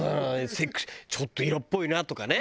セクシーちょっと色っぽいなとかね。